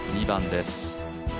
２番です。